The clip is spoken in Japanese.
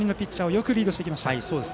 よくリードしてきました。